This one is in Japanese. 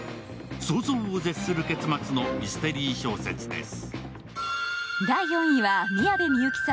想像を絶する結末のミステリー小説です。